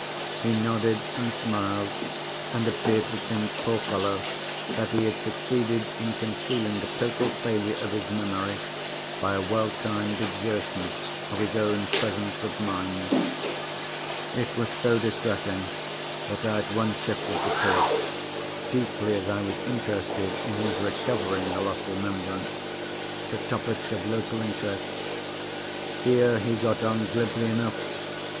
He nodded and smiled, and appeared to think, poor fellow, that he had succeeded in concealing the total failure of his memory, by a well timed exertion of his own presence of mind. It was so distressing that I at once shifted the talk—deeply as I was interested in his recovering the lost remembrance—to topics of local interest. Here, he got on glibly enough.